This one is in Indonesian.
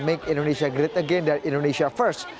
make indonesia great again dan indonesia first